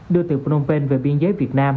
đưa từ phnom penh về biên giới việt nam